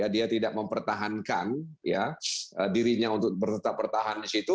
dia tidak mempertahankan dirinya untuk tetap bertahan di situ